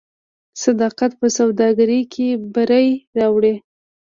صداقت په سوداګرۍ کې بری راوړي.